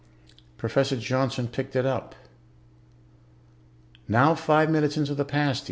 Professor Johnson picked it up. "Now five minutes into the past."